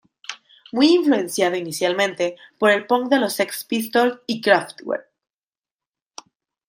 Muy influenciado inicialmente por el punk de los Sex Pistols y Kraftwerk.